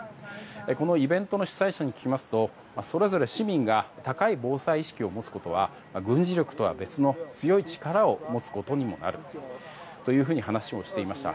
このイベントの主催者に聞きますとそれぞれ市民が高い防災意識を持つことは軍事力とは別の強い力を持つことにもなると話をしていました。